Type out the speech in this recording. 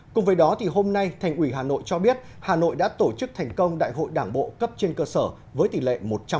cùng với đó hôm nay thành ủy hà nội cho biết hà nội đã tổ chức thành công đại hội đảng bộ cấp trên cơ sở với tỷ lệ một trăm linh